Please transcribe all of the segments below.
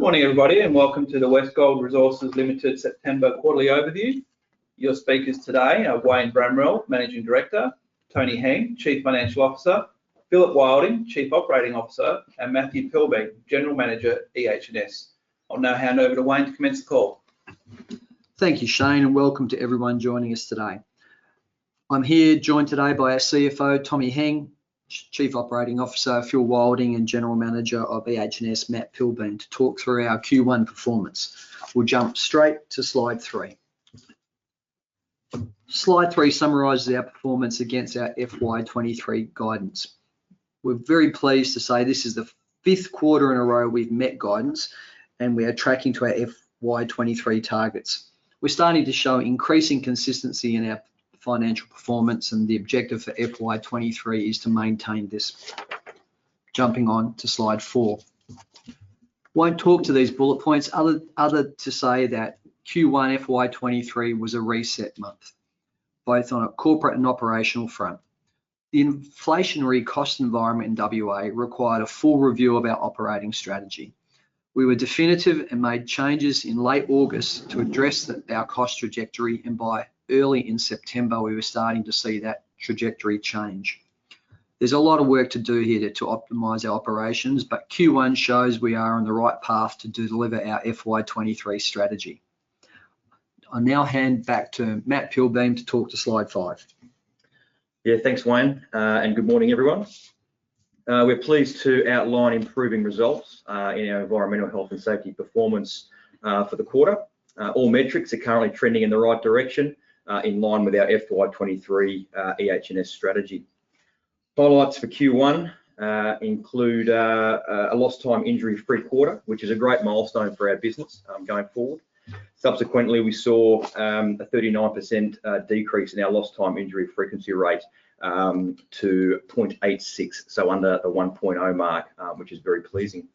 Good morning everybody, and welcome to the Westgold Resources Limited September Quarterly Overview. Your speakers today are Wayne Bramwell, Managing Director, Tommy Heng, Chief Financial Officer, Phillip Wilding, Chief Operating Officer, and Matthew Pilbeam, General Manager, EH&S. I'll now hand over to Wayne to commence the call. Thank you, Shane, and welcome to everyone joining us today. I'm here joined today by our CFO, Tommy Heng, Chief Operating Officer, Phil Wilding, and General Manager of EH&S, Matt Pilbeam, to talk through our Q1 performance. We'll jump straight to slide three. Slide three summarizes our performance against our FY23 guidance. We're very pleased to say this is the fifth quarter in a row we've met guidance and we are tracking to our FY23 targets. We're starting to show increasing consistency in our financial performance and the objective for FY23 is to maintain this. Jumping on to slide four. Won't talk to these bullet points other to say that Q1 FY23 was a reset month, both on a corporate and operational front. The inflationary cost environment in WA required a full review of our operating strategy. We were definitive and made changes in late August to address our cost trajectory, and by early in September we were starting to see that trajectory change. There's a lot of work to do here to optimize our operations, but Q1 shows we are on the right path to deliver our FY23 strategy. I now hand back to Matt Pilbeam to talk to slide five. Yeah. Thanks, Wayne, and good morning everyone. We're pleased to outline improving results in our Environmental Health and Safety Performance for the quarter. All metrics are currently trending in the right direction in line with our FY23 EH&S strategy. Highlights for Q1 include a Lost Time Injury-free quarter, which is a great milestone for our business going forward. Subsequently, we saw a 39% decrease in our Lost Time Injury Frequency Rate to 0.86, so under the 1.0 mark, which is very pleasing.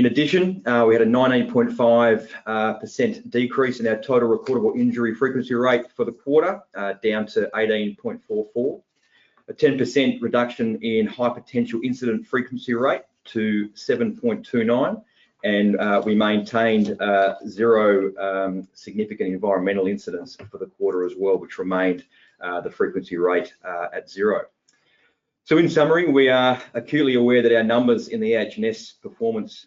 In addition, we had a 19.5% decrease in our Total Recordable Injury Frequency Rate for the quarter down to 18.44. A 10% reduction in High Potential Incident Frequency Rate to 7.29, and we maintained zero significant environmental incidents for the quarter as well, which remained the frequency rate at zero. In summary, we are acutely aware that our numbers in the EH&S performance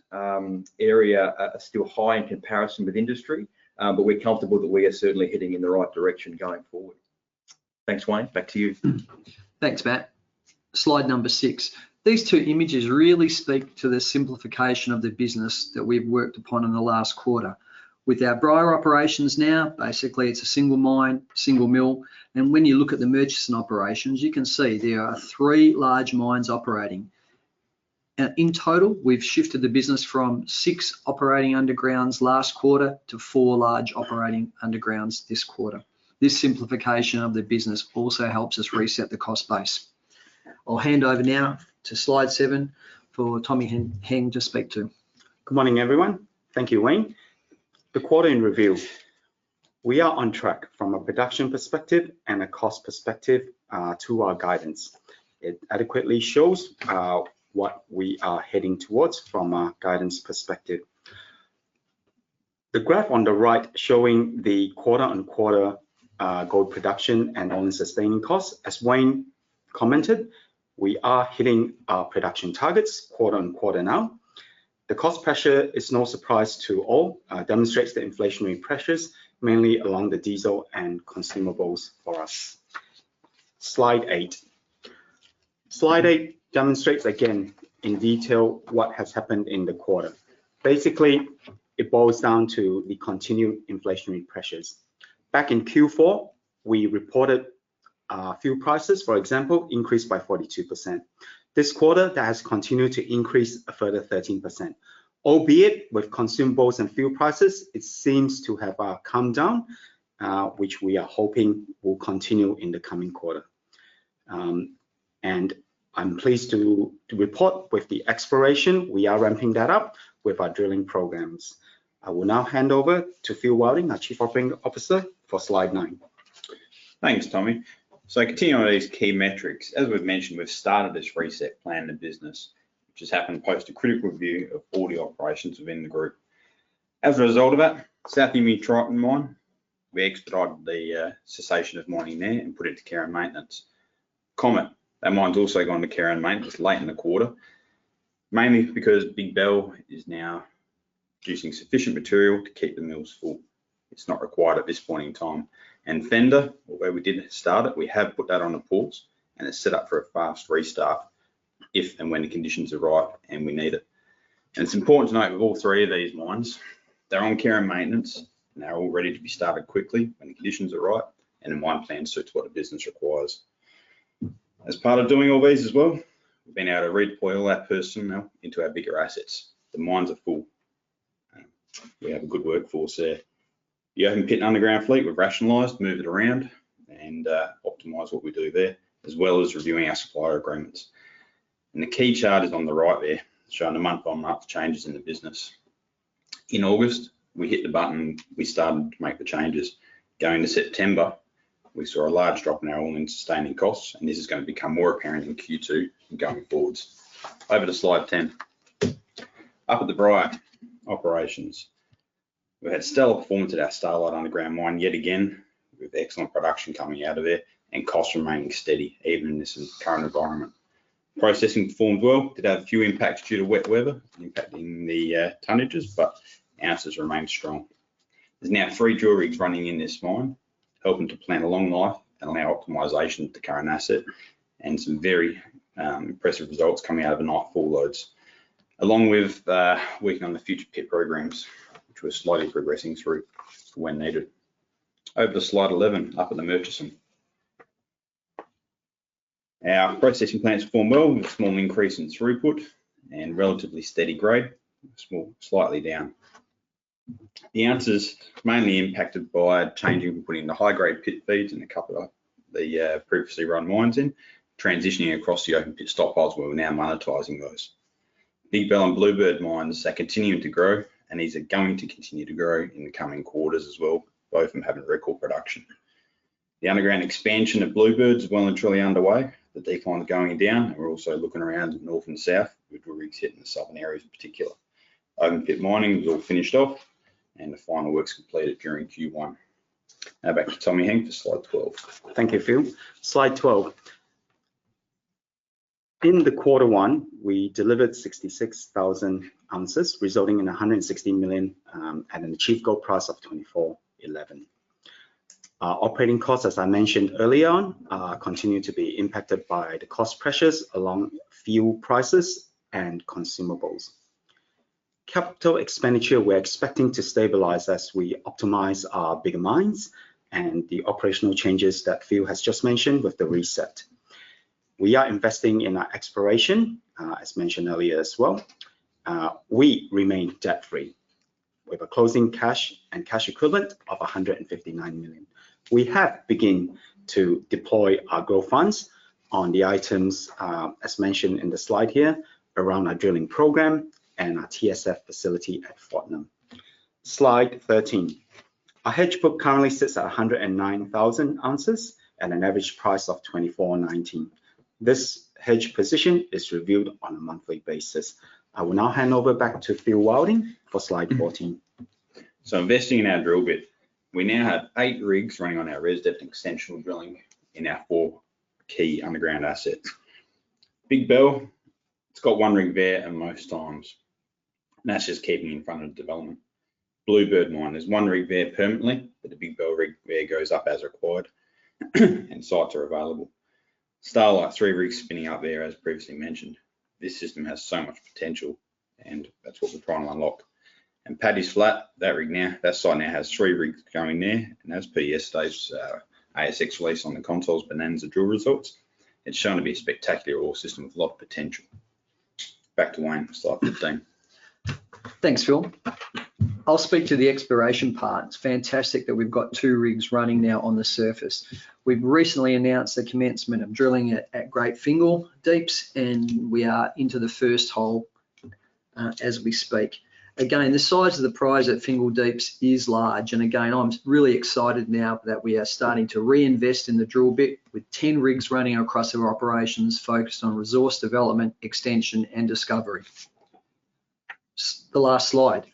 area are still high in comparison with industry, but we're comfortable that we are certainly heading in the right direction going forward. Thanks, Wayne, back to you. Thanks, Matt. Slide number six. These two images really speak to the simplification of the business that we've worked upon in the last quarter. With our Bryah operations now, basically it's a single mine, single mill. When you look at the Murchison operations, you can see there are three large mines operating. In total, we've shifted the business from six operating undergrounds last quarter to four large operating undergrounds this quarter. This simplification of the business also helps us reset the cost base. I'll hand over now to slide seven for Tommy Heng to speak to. Good morning everyone. Thank you, Wayne. The quarter in review. We are on track from a production perspective and a cost perspective to our guidance. It adequately shows what we are heading towards from a guidance perspective. The graph on the right showing the quarter-on-quarter gold production and All-in Sustaining Costs. As Wayne commented, we are hitting our production targets quarter-on-quarter now. The cost pressure is no surprise to all, demonstrates the inflationary pressures mainly along the diesel and consumables for us. Slide eight. Slide eight demonstrates again in detail what has happened in the quarter. Basically, it boils down to the continued inflationary pressures. Back in Q4, we reported fuel prices, for example, increased by 42%. This quarter, that has continued to increase a further 13%. Albeit with consumables and fuel prices, it seems to have calmed down, which we are hoping will continue in the coming quarter. I'm pleased to report with the exploration we are ramping that up with our drilling programs. I will now hand over to Phillip Wilding, our Chief Operating Officer, for slide nine. Thanks, Tommy. Continuing on these key metrics. As we've mentioned, we've started this reset plan in the business, which has happened post a critical review of all the operations within the group. As a result of that, South Emu-Triton mine, we expedited the cessation of mining there and put it to care and maintenance. Comet, that mine's also gone to care and maintenance late in the quarter, mainly because Big Bell is now producing sufficient material to keep the mills full. It's not required at this point in time. Fender, although we didn't start it, we have put that on pause and it's set up for a fast restart if and when the conditions are right and we need it. It's important to note with all three of these mines, they're on Care and Maintenance and they're all ready to be started quickly when the conditions are right and the mine plan suits what the business requires. As part of doing all these as well, we've been able to redeploy all our personnel into our bigger assets. The mines are full and we have a good workforce there. The open pit underground fleet, we've rationalized, moved it around and optimized what we do there, as well as reviewing our supplier agreements. The key chart is on the right there, showing the month-over-month changes in the business. In August, we hit the button and we started to make the changes. Going to September, we saw a large drop in our All-in Sustaining Costs, and this is gonna become more apparent in Q2 and going forwards. Over to slide 10. Up at the Bryah operations, we had stellar performance at our Starlight underground mine yet again with excellent production coming out of it and costs remaining steady even in this current environment. Processing performed well. Did have a few impacts due to wet weather impacting the tonnages, but ounces remained strong. There's now three drill rigs running in this mine, helping to plan a long life and allow optimization of the current asset and some very impressive results coming out of the Nightfall lodes. Along with working on the future pit programs, which we're slowly progressing through when needed. Over to slide 11. Up at the Murchison. Our processing plant's performed well with a small increase in throughput and relatively steady grade, small, slightly down. The ounces mainly impacted by changing and putting the high-grade pit feeds in a couple of the previously run mines in, transitioning across the open pit stockpiles where we're now monetizing those. Big Bell and Bluebird mines are continuing to grow, and these are going to continue to grow in the coming quarters as well, both of them having record production. The underground expansion at Bluebird's well and truly underway. The decline going down, and we're also looking around north and south with drill rigs hitting the southern areas in particular. Open pit mining is all finished off, and the final work's completed during Q1. Now back to Tommy Heng for slide 12. Thank you, Phil. Slide 12. In quarter one, we delivered 66,000 oz, resulting in 160 million and an achieved gold price of 2,411. Our operating costs, as I mentioned earlier on, continue to be impacted by the cost pressures along with fuel prices and consumables. Capital expenditure, we're expecting to stabilize as we optimize our bigger mines and the operational changes that Phil has just mentioned with the reset. We are investing in our exploration, as mentioned earlier as well. We remain debt-free with a closing cash and cash equivalent of 159 million. We have begun to deploy our growth funds on the items, as mentioned in the slide here, around our drilling program and our TSF facility at Fortnum. Slide 13. Our hedge book currently sits at 109,000 oz at an average price of 2,419. This hedge position is reviewed on a monthly basis. I will now hand over back to Phillip Wilding for slide 14. Investing in our drill bit. We now have eight rigs running on our reserve definition and extension drilling in our four key underground assets. Big Bell, it's got one rig there at most times, and that's just keeping in front of the development. Bluebird Mine, there's one rig there permanently, but the Big Bell rig there goes up as required and sites are available. Starlight, three rigs spinning up there as previously mentioned. This system has so much potential, and that's what we're trying to unlock. Paddy's Flat, that site now has three rigs going there, and as per yesterday's ASX release on the Contessa Bonanza drill results, it's shown to be a spectacular ore system with a lot of potential. Back to Wayne for slide 15. Thanks, Phil. I'll speak to the exploration part. It's fantastic that we've got two rigs running now on the surface. We've recently announced the commencement of drilling at Great Fingall Deeps, and we are into the first hole as we speak. Again, the size of the prize at Fingall Deeps is large. Again, I'm really excited now that we are starting to reinvest in the drill bit with 10 rigs running across our operations focused on resource development, extension, and discovery. The last slide.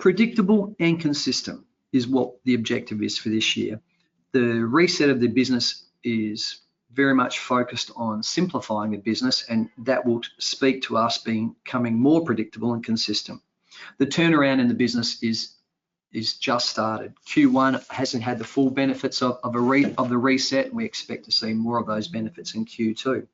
Predictable and consistent is what the objective is for this year. The reset of the business is very much focused on simplifying the business, and that will speak to us becoming more predictable and consistent. The turnaround in the business is just started. Q1 hasn't had the full benefits of a reset, and we expect to see more of those benefits in Q2.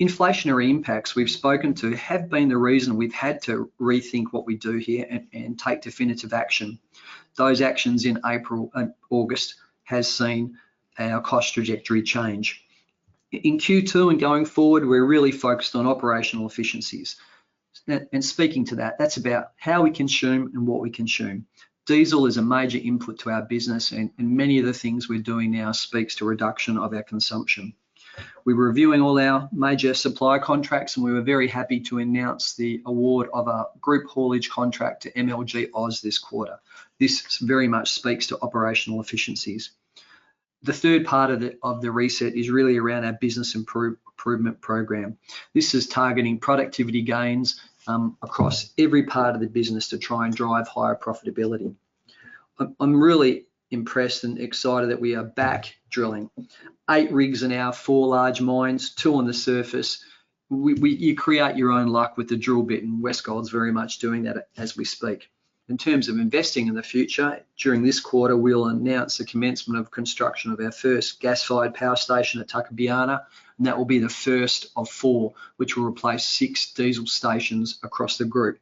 Inflationary impacts we've spoken to have been the reason we've had to rethink what we do here and take definitive action. Those actions in April and August has seen our cost trajectory change. In Q2 and going forward, we're really focused on operational efficiencies. Speaking to that's about how we consume and what we consume. Diesel is a major input to our business and many of the things we're doing now speaks to reduction of our consumption. We're reviewing all our major supply contracts, and we were very happy to announce the award of a group haulage contract to MLG Oz this quarter. This very much speaks to operational efficiencies. The third part of the reset is really around our business improvement program. This is targeting productivity gains, across every part of the business to try and drive higher profitability. I'm really impressed and excited that we are back drilling. Eight rigs in our four large mines, two on the surface. You create your own luck with the drill bit, and Westgold's very much doing that as we speak. In terms of investing in the future, during this quarter, we'll announce the commencement of construction of our first gas-fired power station at Tuckabianna, and that will be the first of four, which will replace six diesel stations across the group.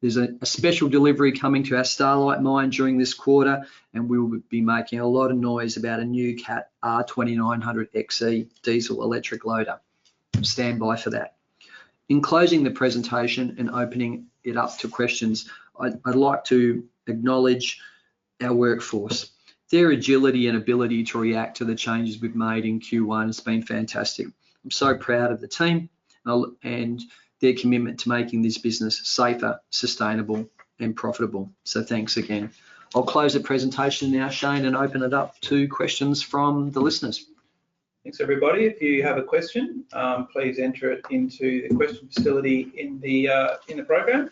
There's a special delivery coming to our Starlight Mine during this quarter, and we will be making a lot of noise about a new Cat R2900 XE diesel electric loader. Stand by for that. In closing the presentation and opening it up to questions, I'd like to acknowledge our workforce. Their agility and ability to react to the changes we've made in Q1 has been fantastic. I'm so proud of the team and their commitment to making this business safer, sustainable, and profitable. Thanks again. I'll close the presentation now, Shane, and open it up to questions from the listeners. Thanks, everybody. If you have a question, please enter it into the question facility in the program.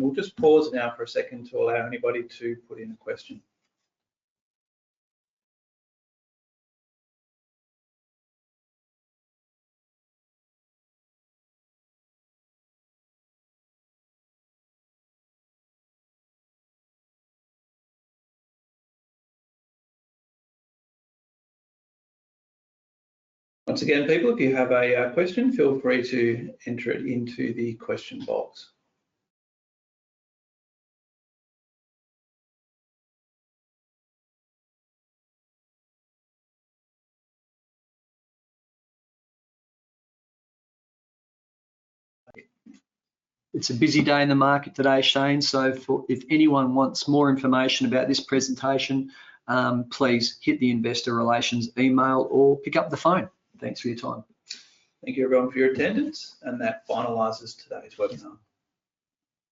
We'll just pause now for a second to allow anybody to put in a question. Once again, people, if you have a question, feel free to enter it into the question box. It's a busy day in the market today, Shane. If anyone wants more information about this presentation, please hit the investor relations email or pick up the phone. Thanks for your time. Thank you everyone for your attendance, and that finalizes today's webinar.